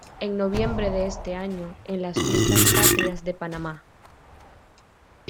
En noviembre de este año, en las fiestas patrias de Panamá.